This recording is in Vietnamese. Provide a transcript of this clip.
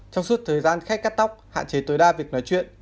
trong suốt thời gian khe cắt tóc hạn chế tối đa việc nói chuyện